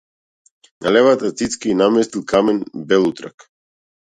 На левата цицка ѝ наместил камен белутрак.